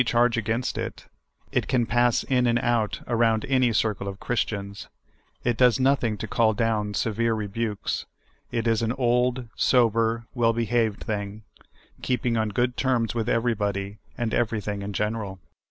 charge against it ; it can pass in and out around any circle of Christians ; it does nothing to call down se vere rebukes ; it is an old, sober, well behaved thing, keeping on good terms with everybody and everything in general.